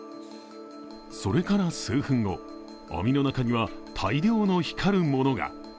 それから数分後網の中には大量の光るものが。